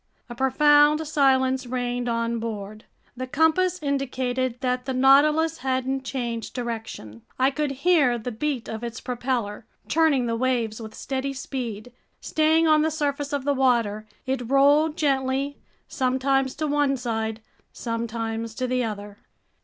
A profound silence reigned on board. The compass indicated that the Nautilus hadn't changed direction. I could hear the beat of its propeller, churning the waves with steady speed. Staying on the surface of the water, it rolled gently, sometimes to one side, sometimes to the other.